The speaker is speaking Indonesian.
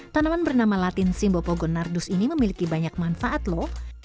tanaman bernama latin simbopogonardus ini memiliki banyak manfaat lho